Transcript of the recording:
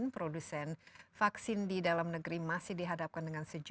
produsen vaksin di dalam negeri masih dihadapkan dengan sejumlah